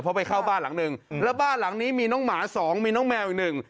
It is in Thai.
เพราะไปเข้าบ้านหลังหนึ่งแล้วบ้านหลังนี้มีน้องหมาสองมีน้องแมวอีกหนึ่ง